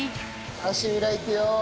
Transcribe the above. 足裏いくよ。